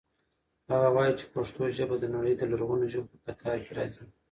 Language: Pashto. هغه وایي چې پښتو ژبه د نړۍ د لرغونو ژبو په کتار کې راځي.